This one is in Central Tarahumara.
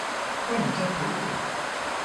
Juanitza juku?